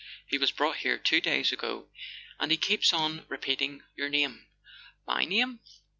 He was brought here two days ago ... and he keeps on re¬ peating your name.. "My name?